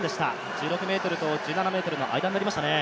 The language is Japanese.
１６ｍと１７ｍの間になりましたね。